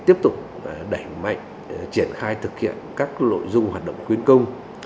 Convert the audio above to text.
tiếp tục đẩy mạnh triển khai thực hiện các nội dung hoạt động khuyến công